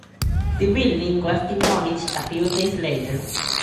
The building was demolished a few days later.